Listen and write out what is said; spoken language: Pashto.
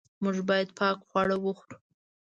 موږ باید پاک خواړه وخورو.